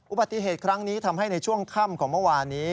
อุบัติเหตุครั้งนี้ทำให้ในช่วงค่ำของเมื่อวานนี้